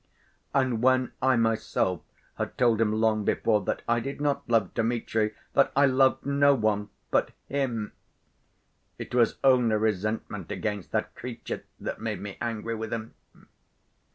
and when I myself had told him long before that I did not love Dmitri, that I loved no one but him! It was only resentment against that creature that made me angry with him.